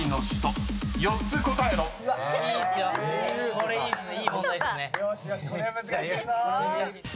これいいっすね。